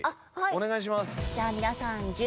お願いします。